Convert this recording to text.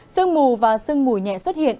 sơn mù và sơn mù nhẹ xuất hiện